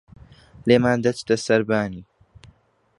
لێمان دەچتە سەربانی